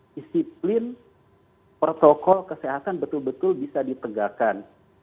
disiplin protokol kesehatan betul betul bisa ditegakkan